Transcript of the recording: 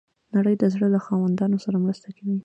نړۍ د زړه له خاوندانو سره مرسته کوي.